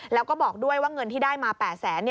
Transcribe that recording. แล้วก็บอกด้วยว่าเงินที่ได้มา๘แสน